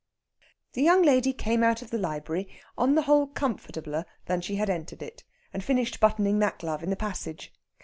The young lady came out of the library on the whole comfortabler then she had entered it, and finished buttoning that glove in the passage.